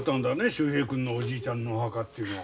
秀平君のおじいちゃんのお墓というのは。